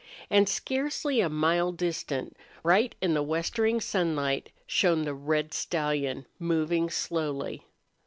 And scarcely a mile distant, bright in the westering sunlight, shone the red stallion, moving slowly.